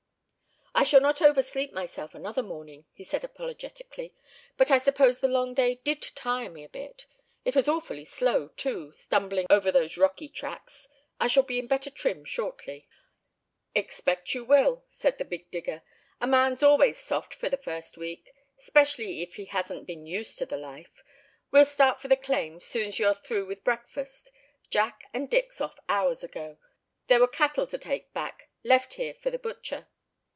"I shall not over sleep myself another morning," he said, apologetically, "but I suppose the long day did tire me a bit. It was awfully slow too, stumbling over those rocky tracks. I shall be in better trim shortly." "Expect you will," said the big digger, "a man's always soft for the first week, specially if he hasn't been used to the life. We'll start for the claim, soon's you're through with breakfast; Jack and Dick's off hours ago. There were cattle to take back, left here for the butcher."